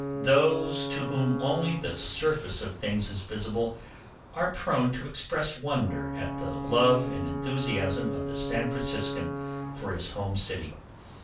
Those to whom only the surface of things is visible are prone to express wonder at the love and enthusiasm of the San Franciscan for his home city.